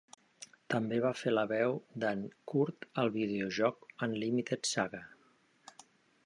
També va fer la veu de"n Kurt al videojoc "Unlimited Saga".